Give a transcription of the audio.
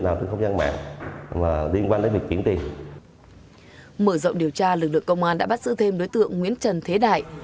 mở rộng điều tra lực lượng công an đã bắt giữ thêm đối tượng nguyễn trần thế đại